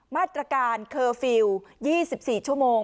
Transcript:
มาตรการเคอร์ฟิลล์๒๔ชั่วโมง